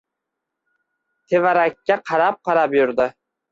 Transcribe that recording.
Tevarakka qarab-qarab yurdi.